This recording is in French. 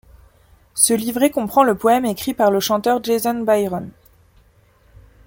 Ce livret comprend le poème ' écrit par le chanteur Jason Byron.